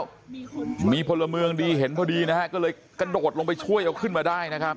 ครับมีพลเมืองดีเห็นพอดีนะฮะก็เลยกระโดดลงไปช่วยเอาขึ้นมาได้นะครับ